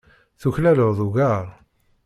Tuklaleḍ ugar.